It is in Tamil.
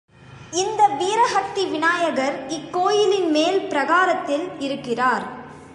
இந்த வீரஹத்தி விநாயகர் இக்கோயிலின் மேல் பிரகாரத்தில் இருக்கிறார்.